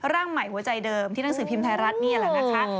ร่างใหม่หัวใจเดิมที่หนังสือพิมพ์ไทยรัฐนี่แหละนะคะ